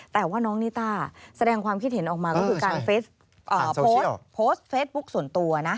แต่ว่าน้องนิต้าแสดงความคิดเห็นออกมาก็คือการโพสต์โพสต์เฟซบุ๊คส่วนตัวนะ